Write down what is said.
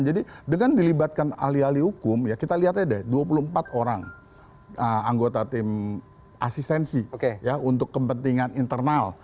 jadi dengan dilibatkan ahli ahli hukum kita lihat aja deh dua puluh empat orang anggota tim asistensi untuk kepentingan internal